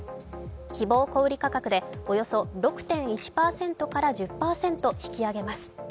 希望小売価格でおよそ６．１％から１０％、引き上げます。